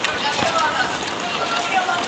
ستا به لاسونو ته اسمان راشي